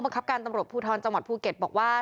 ครับการตำรวจภูทรจังหวัดภูเก็ตบอกว่า